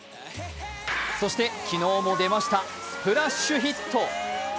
そして昨日も出ましたスプッシュヒット。